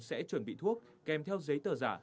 sẽ chuẩn bị thuốc kèm theo giấy tờ giả